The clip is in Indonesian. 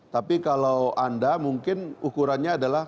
tapi kalau anda mungkin ukurannya adalah